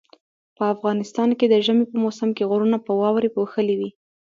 په افغانستان کې د ژمي په موسم کې غرونه په واوري پوښلي وي